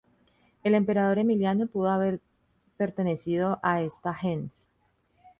El emperador Emiliano pudo haber pertenecido a esta "gens".